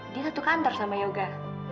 dia satu kantor sama yoga